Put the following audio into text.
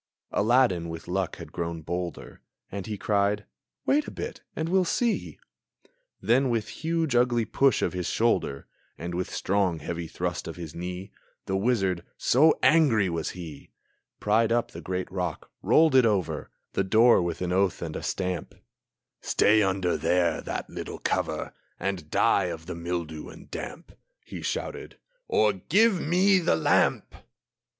Aladdin with luck had grown bolder, And he cried, "Wait a bit, and we'll see!" Then with huge, ugly push of his shoulder, And with strong, heavy thrust of his knee, The wizard so angry was he Pried up the great rock, rolled it over The door with an oath and a stamp; "Stay there under that little cover, And die of the mildew and damp," He shouted, "or give me the lamp!"